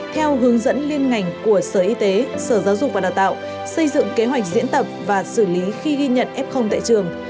theo hướng dẫn liên ngành của sở y tế sở giáo dục và đào tạo xây dựng kế hoạch diễn tập và xử lý khi ghi nhận f tại trường